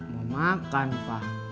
mau makan pa